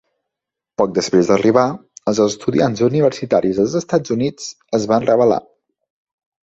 Poc després d'arribar, els estudiants universitaris dels Estats Units es van rebel·lar.